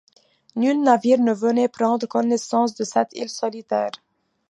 Nul navire ne venait prendre connaissance de cette île solitaire.